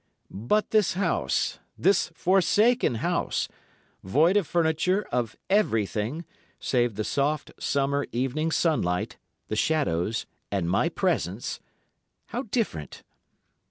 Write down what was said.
But this house—this forsaken house, void of furniture, of everything, save the soft summer evening sunlight, the shadows, and my presence—how different!